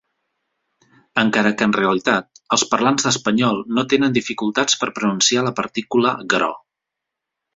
Encara que en realitat, els parlants d'espanyol no tenen dificultats per pronunciar la partícula gro.